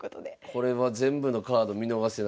これは全部のカード見逃せないですね。